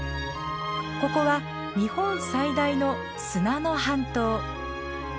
ここは日本最大の砂の半島。